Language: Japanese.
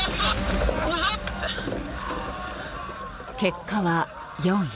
結果は４位。